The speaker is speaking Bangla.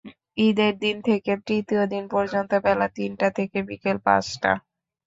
ঈদের দিন থেকে তৃতীয় দিন পর্যন্ত বেলা তিনটা থেকে বিকেল পাঁচটা।